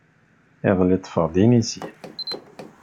Iḍelli ṭṭfeɣ-d inisi.